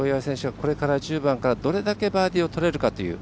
これから１０番からどれだけバーディーを取れるかという。